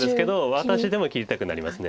私でも切りたくなります。